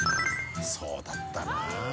そうだったなあ。